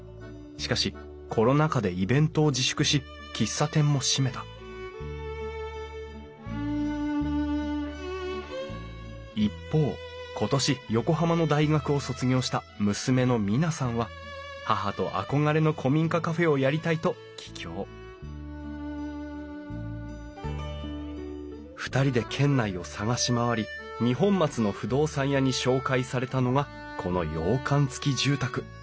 しかしコロナ禍でイベントを自粛し喫茶店も閉めた一方今年横浜の大学を卒業した娘の美奈さんは母と憧れの古民家カフェをやりたいと帰郷２人で県内を探し回り二本松の不動産屋に紹介されたのがこの洋館付き住宅。